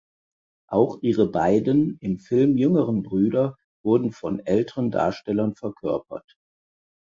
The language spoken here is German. Auch ihre beiden im Film jüngeren Brüder wurden von älteren Darstellern verkörpert.